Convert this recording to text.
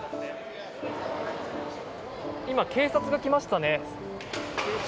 今、警察が来ましたね。